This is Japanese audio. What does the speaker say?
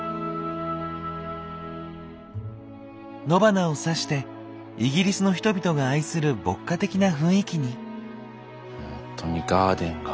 野花を挿してイギリスの人々が愛する牧歌的な雰囲気に。